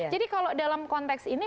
jadi kalau dalam konteks ini